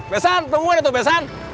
besan tungguin itu besan